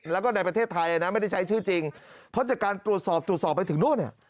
แล้วก็ในประเทศไทยไม่ได้ใช้ชื่อจริงเพราะจากการตรวจสอบไปถึงโน่น